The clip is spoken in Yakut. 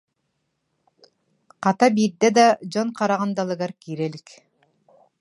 Хата, биирдэ да дьон хараҕын далыгар киирэ илик